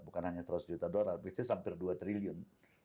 bukan hanya seratus juta dolar bisnis hampir dua triliun